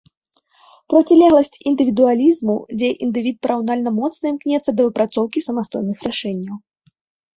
Процілегласць індывідуалізму, дзе індывід параўнальна моцна імкнецца да выпрацоўкі самастойных рашэнняў.